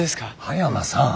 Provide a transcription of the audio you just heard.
葉山さん。